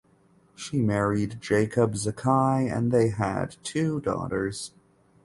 She married Jacob Zakai and they had two daughters.